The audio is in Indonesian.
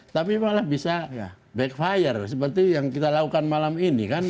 tapi malah bisa backfire seperti yang kita lakukan malam ini kan